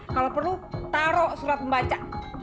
kalau perlu taruh surat membaca